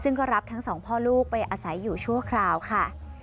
ซึ่งก็รับทั้งสองพ่อลูกไปอาศัยอยู่ชั่วคราวค่ะ